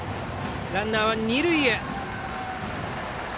ランナーは二塁へ。